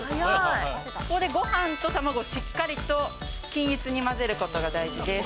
ここでごはんと卵をしっかりと均一に混ぜることが大事です。